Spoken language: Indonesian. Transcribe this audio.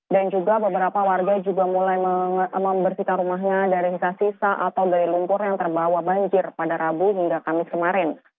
dan juga beberapa warga juga mulai membersihkan rumahnya dari sisa sisa atau dari lumpur yang terbawa banjir pada rabu hingga kamis kemarin